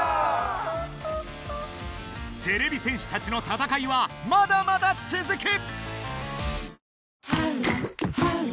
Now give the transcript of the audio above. てれび戦士たちの戦いはまだまだつづく！